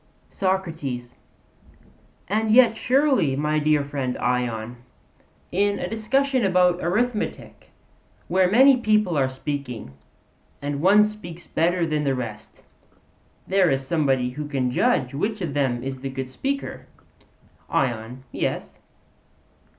SOCRATES: And yet surely, my dear friend Ion, in a discussion about arithmetic, where many people are speaking, and one speaks better than the rest, there is somebody who can judge which of them is the good speaker? ION: Yes.